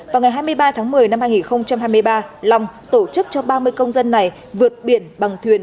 vào ngày hai mươi ba tháng một mươi năm hai nghìn hai mươi ba long tổ chức cho ba mươi công dân này vượt biển bằng thuyền